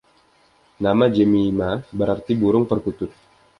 Nama Jemima berarti “burung perkutut”.